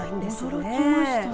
驚きましたね。